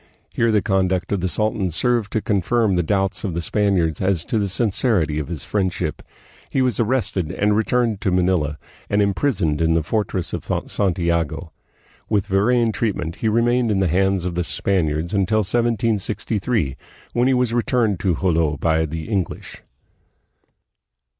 Here the conduct of the sultan served to confirm the doubts of the Spaniards as to the sincerity of his friendship. He was arrested, and returned to Manila, and imprisoned in the fortress of Santiago. With varying treatment he remained in the hands of the Spaniards until 1763, when he was returned to Jolo by the English.